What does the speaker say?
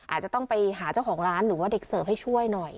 อาจจะต้องไปหาเจ้าของร้านหรือว่าเด็กเสิร์ฟให้ช่วยหน่อย